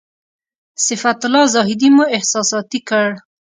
صفت الله زاهدي مو احساساتي کړ.